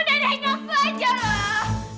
udah deh ngaku aja loh